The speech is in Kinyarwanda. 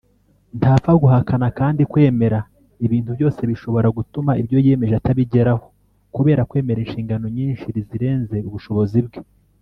ntapfa guhakana kandi kwemera ibintu byose bishobora gutuma ibyo yiyemeje atabigeraho kubera kwemera inshingano nyinshi rizerenze ubushobozi bwe